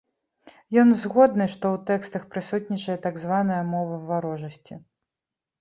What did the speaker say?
Ён згодны, што ў тэкстах прысутнічае так званая мова варожасці.